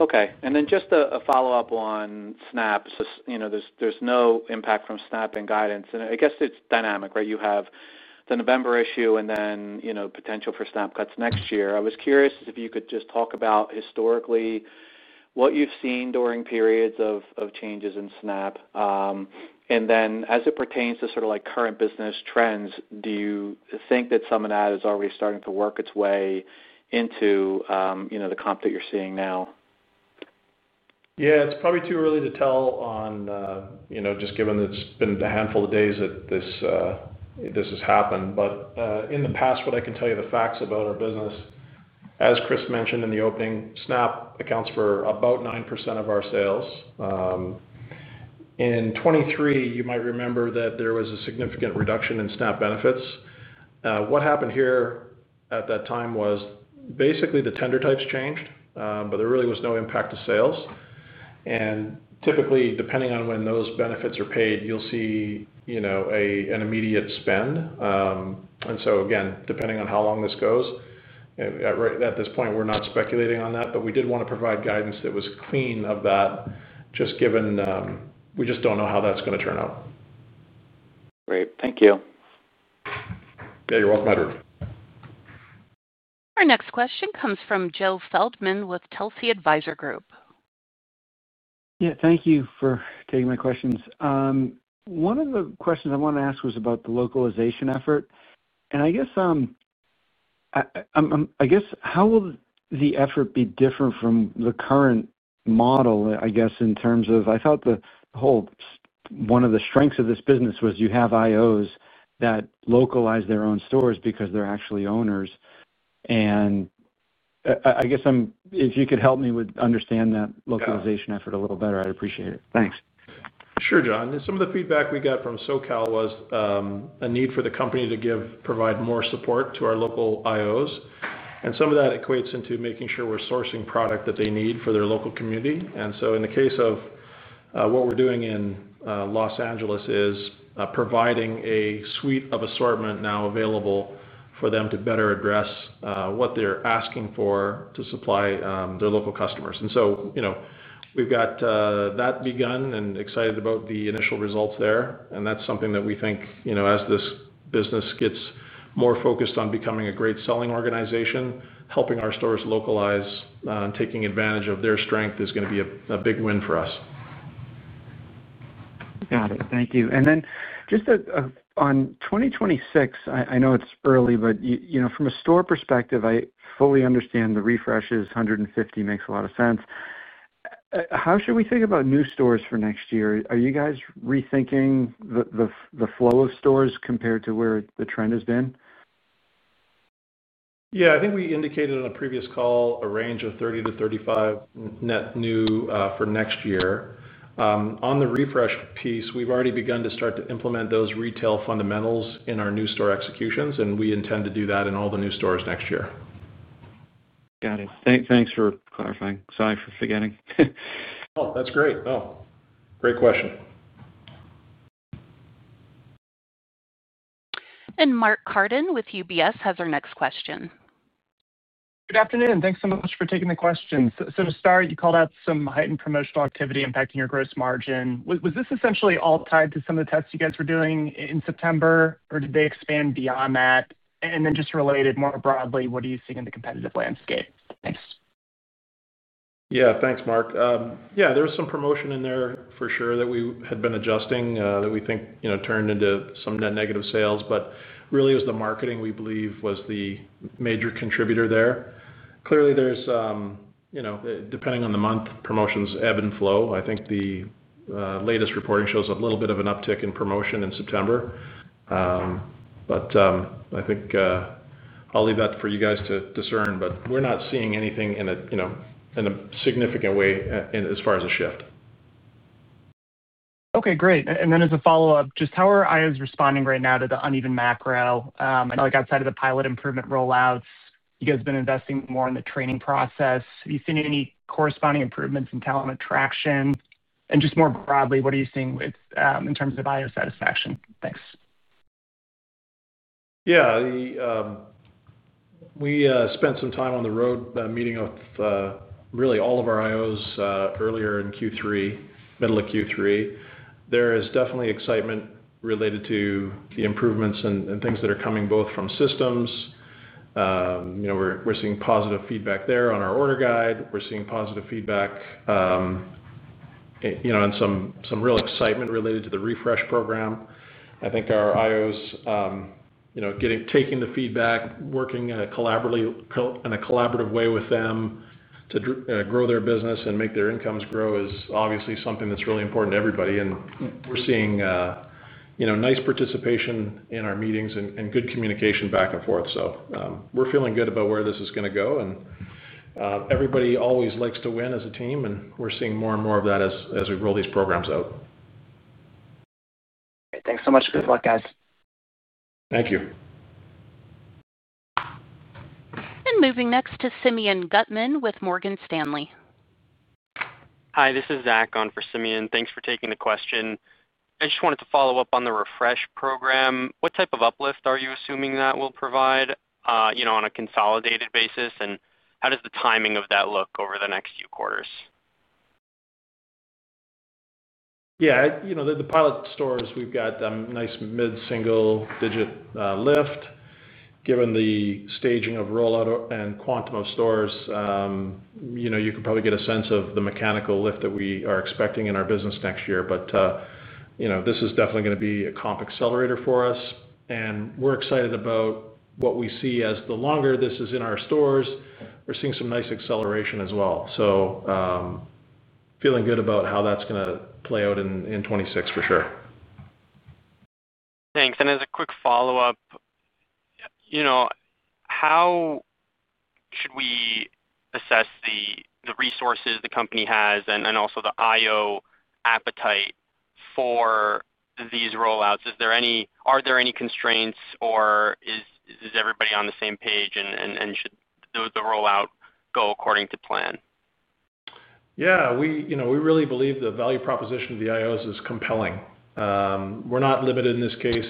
Okay. And then just a follow-up on SNAP. There's no impact from SNAP and guidance. And I guess it's dynamic, right? You have the November issue and then potential for SNAP cuts next year. I was curious if you could just talk about historically what you've seen during periods of changes in SNAP. And then as it pertains to sort of current business trends, do you think that some of that is already starting to work its way into the comp that you're seeing now? Yeah. It's probably too early to tell on just given that it's been a handful of days that this has happened. But in the past, what I can tell you, the facts about our business. As Chris mentioned in the opening, SNAP accounts for about 9% of our sales. In 2023, you might remember that there was a significant reduction in SNAP benefits. What happened here at that time was basically the tender types changed, but there really was no impact to sales. And typically, depending on when those benefits are paid, you'll see an immediate spend. And so again, depending on how long this goes. At this point, we're not speculating on that. But we did want to provide guidance that was clean of that, just given. We just don't know how that's going to turn out. Great. Thank you. Yeah. You're welcome, Edward. Our next question comes from Joseph Feldman with Telsey Advisory Group. Yeah. Thank you for taking my questions. One of the questions I wanted to ask was about the localization effort. And I guess how will the effort be different from the current model, I guess, in terms of I thought one of the strengths of this business was you have IOs that localize their own stores because they're actually owners. And I guess if you could help me with understanding that localization effort a little better, I'd appreciate it. Thanks. Sure, John. Some of the feedback we got from SoCal was a need for the company to provide more support to our local IOs. And some of that equates into making sure we're sourcing product that they need for their local community. And so in the case of what we're doing in Los Angeles is providing a suite of assortment now available for them to better address what they're asking for to supply their local customers. And so we've got that begun and excited about the initial results there. And that's something that we think, as this business gets more focused on becoming a great selling organization, helping our stores localize and taking advantage of their strength is going to be a big win for us. Got it. Thank you. And then just on 2026, I know it's early, but from a store perspective, I fully understand the refresh. 150 makes a lot of sense. How should we think about new stores for next year? Are you guys rethinking the flow of stores compared to where the trend has been? Yeah. I think we indicated on a previous call a range of 30-35 net new for next year. On the refresh piece, we've already begun to start to implement those retail fundamentals in our new store executions. And we intend to do that in all the new stores next year. Got it. Thanks for clarifying. Sorry for forgetting. Oh, that's great. Oh, great question. And Mark Carden with UBS has our next question. Good afternoon. Thanks so much for taking the questions. So to start, you called out some heightened promotional activity impacting your gross margin. Was this essentially all tied to some of the tests you guys were doing in September, or did they expand beyond that? And then just related more broadly, what do you see in the competitive landscape? Thanks. Yeah. Thanks, Mark. Yeah. There was some promotion in there for sure that we had been adjusting that we think turned into some net negative sales. But really, it was the marketing we believe was the major contributor there. Clearly, there's depending on the month, promotions ebb and flow. I think the latest reporting shows a little bit of an uptick in promotion in September. But I think I'll leave that for you guys to discern. But we're not seeing anything in a significant way as far as a shift. Okay. Great. And then as a follow-up, just how are IOs responding right now to the uneven macro? I know outside of the pilot improvement rollouts, you guys have been investing more in the training process. Have you seen any corresponding improvements in talent attraction? And just more broadly, what are you seeing in terms of IO satisfaction? Thanks. Yeah. We spent some time on the road meeting with really all of our IOs earlier in Q3, middle of Q3. There is definitely excitement related to the improvements and things that are coming both from systems. We're seeing positive feedback there on our order guide. We're seeing positive feedback. And some real excitement related to the refresh program. I think our IOs taking the feedback, working in a collaborative way with them to grow their business and make their incomes grow is obviously something that's really important to everybody. And we're seeing nice participation in our meetings and good communication back and forth. So we're feeling good about where this is going to go. And everybody always likes to win as a team. And we're seeing more and more of that as we roll these programs out. Great. Thanks so much. Good luck, guys. Thank you. And moving next to Simeon Gutman with Morgan Stanley. Hi. This is Zach on for Simeon. Thanks for taking the question. I just wanted to follow up on the refresh program. What type of uplift are you assuming that will provide on a consolidated basis? And how does the timing of that look over the next few quarters? Yeah. The Pilot Stores, we've got nice mid-single-digit lift. Given the staging of rollout and quantum of stores. You can probably get a sense of the mechanical lift that we are expecting in our business next year. But this is definitely going to be a comp accelerator for us. And we're excited about what we see as the longer this is in our stores, we're seeing some nice acceleration as well. So feeling good about how that's going to play out in '26 for sure. Thanks. And as a quick follow-up how should we assess the resources the company has and also the IO appetite for these rollouts? Are there any constraints, or is everybody on the same page, and should the rollout go according to plan? Yeah. We really believe the value proposition of the IOs is compelling. We're not limited in this case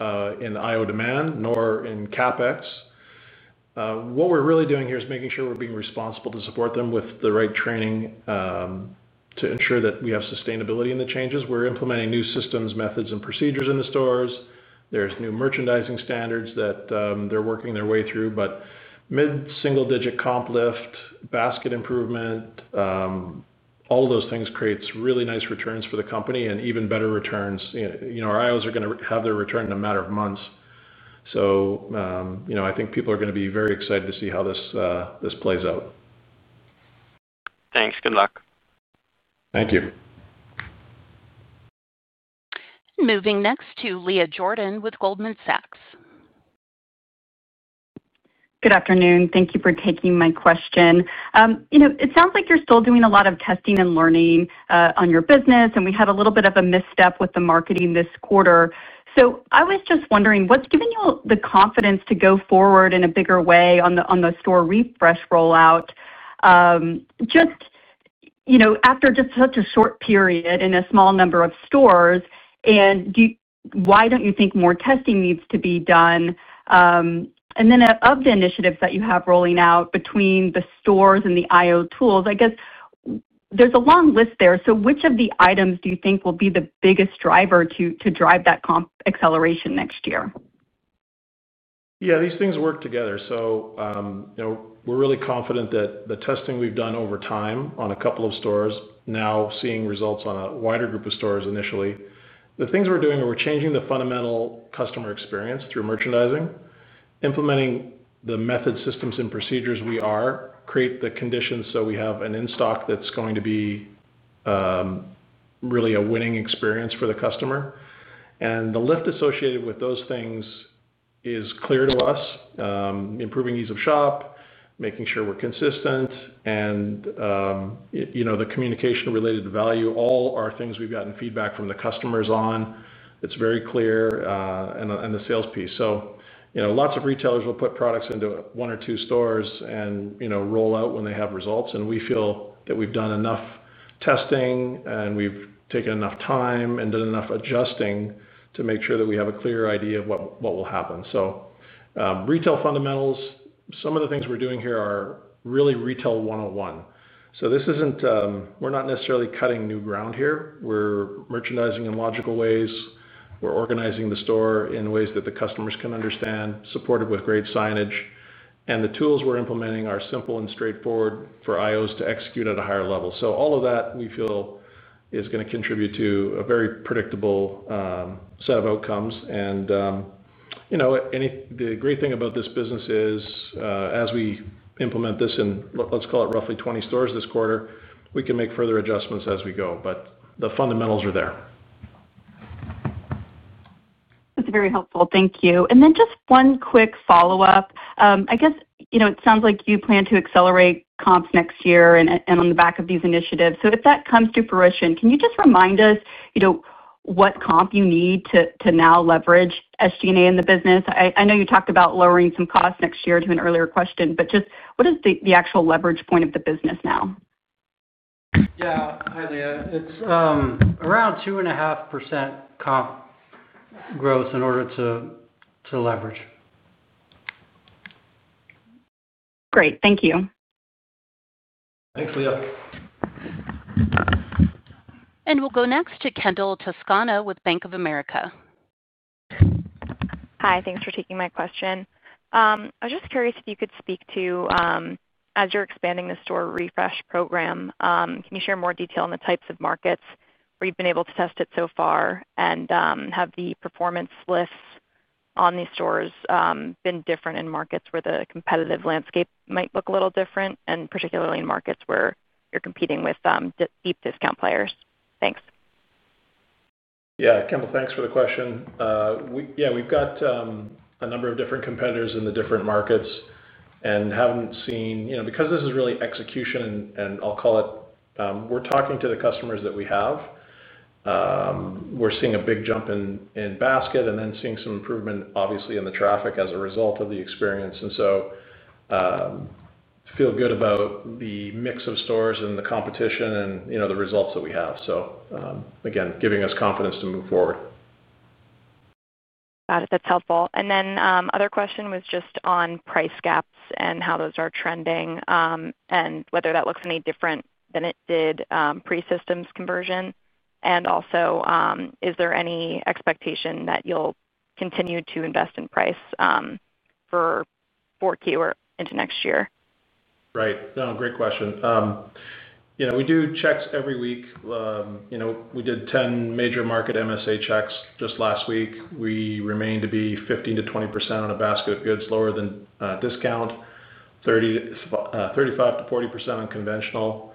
in IO demand nor in CapEx. What we're really doing here is making sure we're being responsible to support them with the right training. To ensure that we have sustainability in the changes. We're implementing new systems, methods, and procedures in the stores. There's new merchandising standards that they're working their way through. But mid-single-digit comp lift, basket improvement. All of those things create really nice returns for the company and even better returns. Our IOs are going to have their return in a matter of months. So. I think people are going to be very excited to see how this plays out. Thanks. Good luck. Thank you. Moving next to Leah Jordan with Goldman Sachs. Good afternoon. Thank you for taking my question. It sounds like you're still doing a lot of testing and learning on your business. And we had a little bit of a misstep with the marketing this quarter. So I was just wondering, what's given you the confidence to go forward in a bigger way on the store refresh rollout? After just such a short period in a small number of stores, and why don't you think more testing needs to be done? And then of the initiatives that you have rolling out between the stores and the IO tools, I guess there's a long list there. So which of the items do you think will be the biggest driver to drive that comp acceleration next year? Yeah. These things work together. So. We're really confident that the testing we've done over time on a couple of stores now seeing results on a wider group of stores initially. The things we're doing are we're changing the fundamental customer experience through merchandising, implementing the methods, systems, and procedures we are, create the conditions so we have an in-stock that's going to be. Really a winning experience for the customer. And the lift associated with those things is clear to us. Improving ease of shop, making sure we're consistent, and. The communication-related value, all are things we've gotten feedback from the customers on. It's very clear. And the sales piece. So lots of retailers will put products into one or two stores and roll out when they have results. And we feel that we've done enough testing, and we've taken enough time, and done enough adjusting to make sure that we have a clear idea of what will happen. So. Retail fundamentals, some of the things we're doing here are really retail 101. So we're not necessarily cutting new ground here. We're merchandising in logical ways. We're organizing the store in ways that the customers can understand, supported with great signage. And the tools we're implementing are simple and straightforward for IOs to execute at a higher level. So all of that, we feel, is going to contribute to a very predictable set of outcomes. And the great thing about this business is, as we implement this in, let's call it roughly 20 stores this quarter, we can make further adjustments as we go. But the fundamentals are there. That's very helpful. Thank you. And then just one quick follow-up. I guess it sounds like you plan to accelerate comps next year and on the back of these initiatives. So if that comes to fruition, can you just remind us what comp you need to now leverage SG&A in the business? I know you talked about lowering some costs next year to an earlier question, but just what is the actual leverage point of the business now? Yeah. Hi, Leah. It's around 2.5% comp growth in order to leverage. Great. Thank you. Thanks, Leah. And we'll go next to Kendall Toscana with BofA Securities. Hi. Thanks for taking my question. I was just curious if you could speak to as you're expanding the store refresh program. Can you share more detail on the types of markets where you've been able to test it so far and have the performance lifts on these stores been different in markets where the competitive landscape might look a little different, and particularly in markets where you're competing with deep discount players? Thanks. Yeah. Kendall, thanks for the question. Yeah. We've got a number of different competitors in the different markets and haven't seen because this is really execution, and I'll call it we're talking to the customers that we have. We're seeing a big jump in basket and then seeing some improvement, obviously, in the traffic as a result of the experience. And so feel good about the mix of stores and the competition and the results that we have. So again, giving us confidence to move forward. Got it. That's helpful. And then other question was just on price gaps and how those are trending and whether that looks any different than it did pre-systems conversion. And also, is there any expectation that you'll continue to invest in price for Q4 or into next year? Right. No, great question. We do checks every week. We did 10 major market MSA checks just last week. We remain 15%-20% on a basket of goods, lower than discount, 35%-40% on conventional.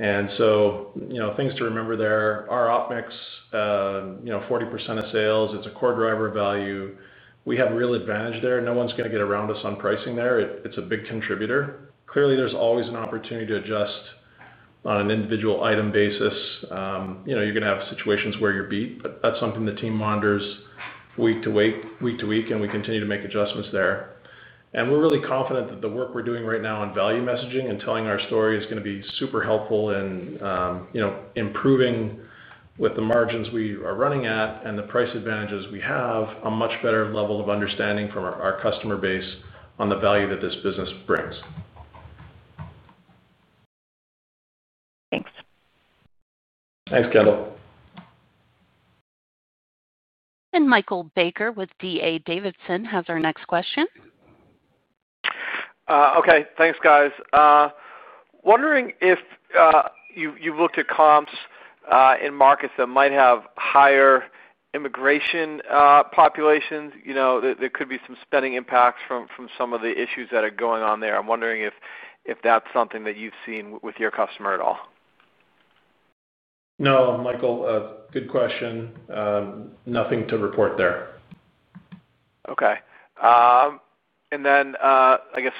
And so things to remember there. Our IO mix 40% of sales. It's a core driver of value. We have real advantage there. No one's going to get around us on pricing there. It's a big contributor. Clearly, there's always an opportunity to adjust on an individual item basis. You're going to have situations where you're beat, but that's something the team monitors week to week, and we continue to make adjustments there. And we're really confident that the work we're doing right now on value messaging and telling our story is going to be super helpful in improving with the margins we are running at and the price advantages we have, a much better level of understanding from our customer base on the value that this business brings. Thanks. Thanks, Kendall. And Michael Baker with D.A. Davidson has our next question. Okay. Thanks, guys. Wondering if you've looked at comps in markets that might have higher immigration populations. There could be some spending impacts from some of the issues that are going on there. I'm wondering if that's something that you've seen with your customer at all. No, Michael, good question. Nothing to report there. Okay. And then I guess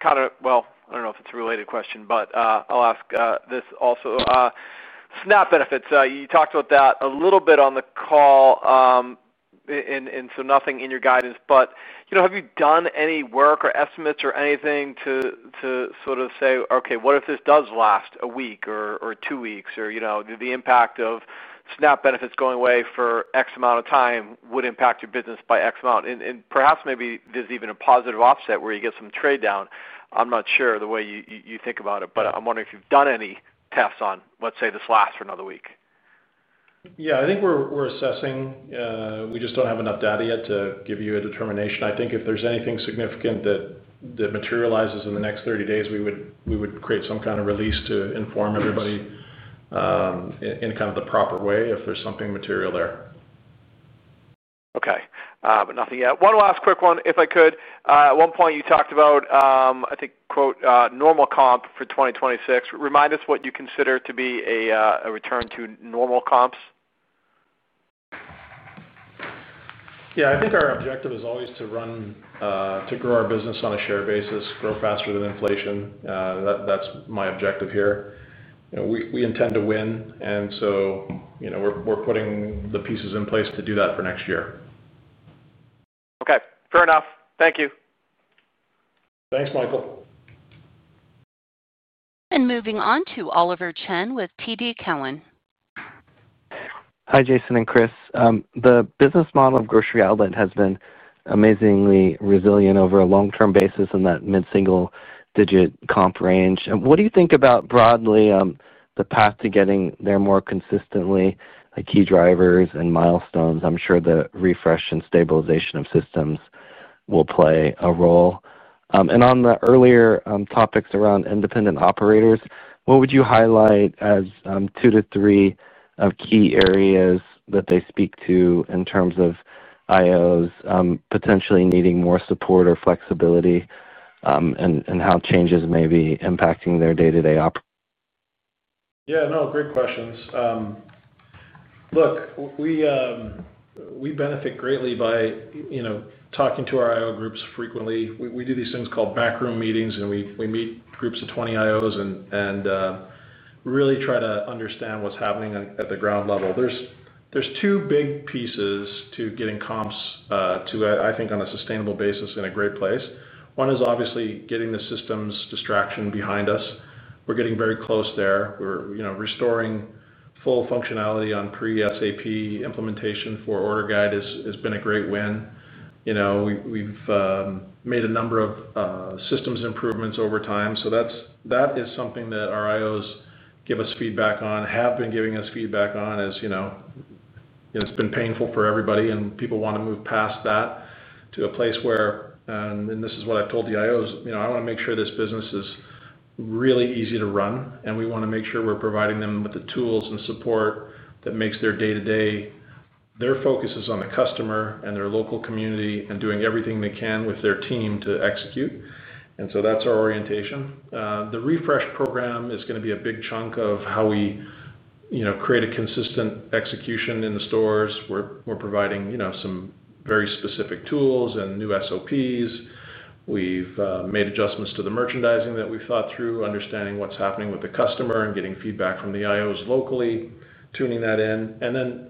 kind of, well, I don't know if it's a related question, but I'll ask this also. SNAP benefits. You talked about that a little bit on the call. And so nothing in your guidance. But have you done any work or estimates or anything to sort of say, "Okay, what if this does last a week or two weeks?" Or the impact of SNAP benefits going away for X amount of time would impact your business by X amount. And perhaps maybe there's even a positive offset where you get some trade down. I'm not sure the way you think about it, but I'm wondering if you've done any tests on, let's say, this lasts for another week. Yeah. I think we're assessing. We just don't have enough data yet to give you a determination. I think if there's anything significant that materializes in the next 30 days, we would create some kind of release to inform everybody. In kind of the proper way if there's something material there. Okay. Nothing yet. One last quick one, if I could. At one point, you talked about, I think, "Normal comp for 2026." Remind us what you consider to be a return to normal comps. Yeah. I think our objective is always to grow our business on a shared basis, grow faster than inflation. That's my objective here. We intend to win. And so we're putting the pieces in place to do that for next year. Okay. Fair enough. Thank you. Thanks, Michael. And moving on to Oliver Chen with TD Cowen. Hi, Jason and Chris. The business model of Grocery Outlet has been amazingly resilient over a long-term basis in that mid-single-digit comp range. What do you think about, broadly, the path to getting there more consistently? Key drivers and milestones. I'm sure the refresh and stabilization of systems will play a role. And on the earlier topics around independent operators, what would you highlight as two to three key areas that they speak to in terms of IOs potentially needing more support or flexibility. And how changes may be impacting their day-to-day operations? Yeah. No, great questions. Look. We benefit greatly by talking to our IO groups frequently. We do these things called backroom meetings, and we meet groups of 20 IOs and really try to understand what's happening at the ground level. There's two big pieces to getting comps to, I think, on a sustainable basis in a great place. One is obviously getting the systems distraction behind us. We're getting very close there. We're restoring full functionality on pre-SAP implementation for order guide has been a great win. We've made a number of systems improvements over time. So that is something that our IOs give us feedback on, have been giving us feedback on as it's been painful for everybody, and people want to move past that to a place where, and this is what I've told the IOs, "I want to make sure this business is really easy to run." And we want to make sure we're providing them with the tools and support that makes their day-to-day their focus is on the customer and their local community and doing everything they can with their team to execute. And so that's our orientation. The refresh program is going to be a big chunk of how we create a consistent execution in the stores. We're providing some very specific tools and new SOPs. We've made adjustments to the merchandising that we've thought through, understanding what's happening with the customer and getting feedback from the IOs locally, tuning that in. And then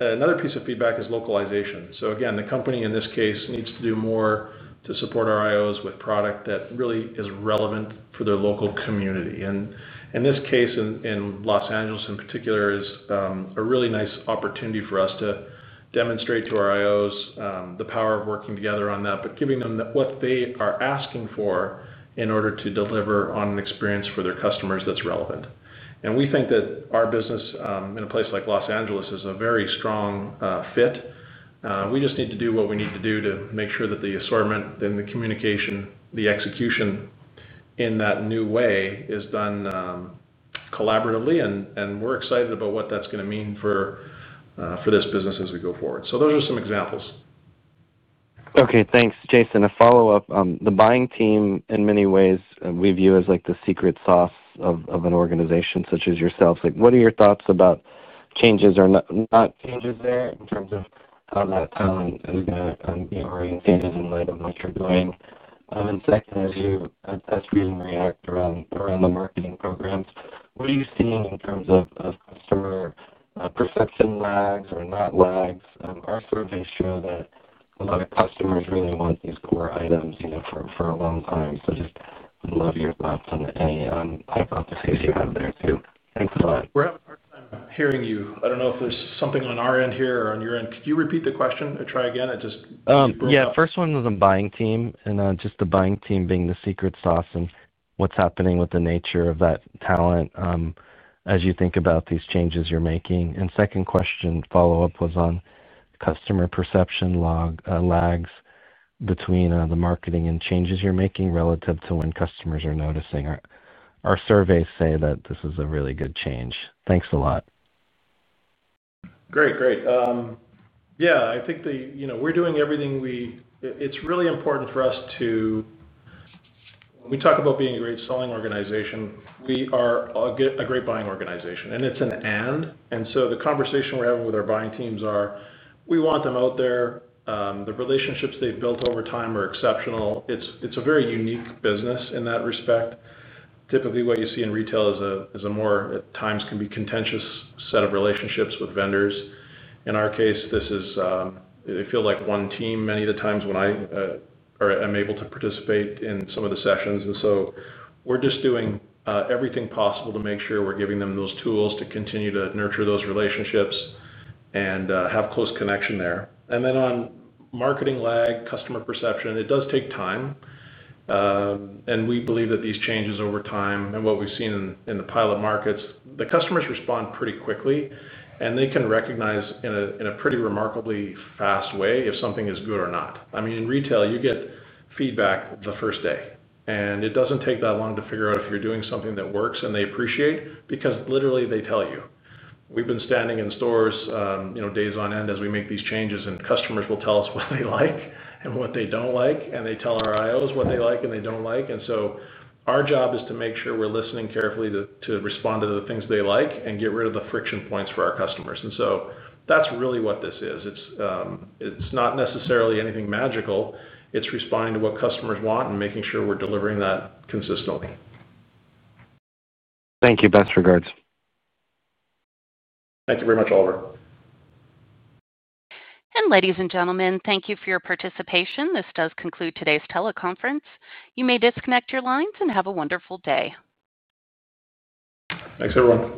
another piece of feedback is localization. So again, the company in this case needs to do more to support our IOs with product that really is relevant for their local community. And in this case, in Los Angeles in particular, is a really nice opportunity for us to demonstrate to our IOs the power of working together on that, but giving them what they are asking for in order to deliver on an experience for their customers that's relevant. And we think that our business in a place like Los Angeles is a very strong fit. We just need to do what we need to do to make sure that the assortment and the communication, the execution in that new way is done collaboratively. And we're excited about what that's going to mean for this business as we go forward. So those are some examples. Okay. Thanks, Jason. A follow-up. The buying team, in many ways, we view as the secret sauce of an organization such as yourself. What are your thoughts about changes or not changes there in terms of how that talent is going to orient in light of what you're doing? And second, as you test reasonably around the marketing programs, what are you seeing in terms of customer perception lags or not lags? Our surveys show that a lot of customers really want these core items for a long time. So just love your thoughts on any hypotheses you have there too. Thanks a lot. We're having a hard time hearing you. I don't know if there's something on our end here or on your end. Could you repeat the question or try again? It just blew up. Yeah. First one was the buying team, and just the buying team being the secret sauce and what's happening with the nature of that talent as you think about these changes you're making. And second question follow-up was on customer perception lags between the marketing and changes you're making relative to when customers are noticing. Our surveys say that this is a really good change. Thanks a lot. Great. Great. Yeah. I think we're doing everything we it's really important for us to when we talk about being a great selling organization. We are a great buying organization. And it's an and. And so the conversation we're having with our buying teams are, we want them out there. The relationships they've built over time are exceptional. It's a very unique business in that respect. Typically, what you see in retail is a more, at times, can be contentious set of relationships with vendors. In our case, this is. I feel like one team. Many of the times when I am able to participate in some of the sessions. And so we're just doing everything possible to make sure we're giving them those tools to continue to nurture those relationships and have close connection there. And then on marketing lag, customer perception, it does take time. And we believe that these changes over time and what we've seen in the pilot markets, the customers respond pretty quickly, and they can recognize in a pretty remarkably fast way if something is good or not. I mean, in retail, you get feedback the first day. And it doesn't take that long to figure out if you're doing something that works and they appreciate because literally they tell you. We've been standing in stores days on end as we make these changes, and customers will tell us what they like and what they don't like. And they tell our IOs what they like and they don't like. And so our job is to make sure we're listening carefully to respond to the things they like and get rid of the friction points for our customers. And so that's really what this is. It's not necessarily anything magical. It's responding to what customers want and making sure we're delivering that consistently. Thank you. Best regards. Thank you very much, Oliver. And ladies and gentlemen, thank you for your participation. This does conclude today's teleconference. You may disconnect your lines and have a wonderful day. Thanks, everyone.